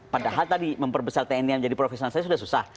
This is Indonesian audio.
padahal tadi memperbesar tni yang jadi profesional saya sudah susah